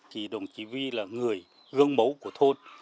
thì đồng chí vi là người gương mấu của thôn